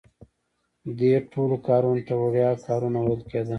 دې ټولو کارونو ته وړیا کارونه ویل کیده.